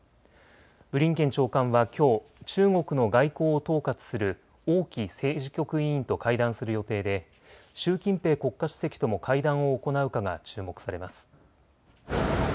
ブリンケン長官はきょう中国の外交を統括する王毅政治局委員と会談する予定で習近平国家主席とも会談を行うかが注目されます。